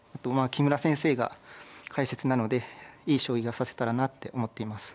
木村先生が解説なのでいい将棋が指せたらなって思っています。